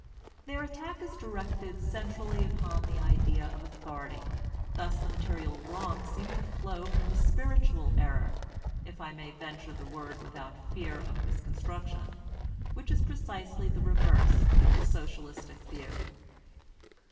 Their attack is directed centrally upon the idea of Anarchism hi Authority; thus the material wrongs seem to flow from the spiritual error (if I may venture the word without fear of misconstruction), which is precisely the reverse of the Socialistic view.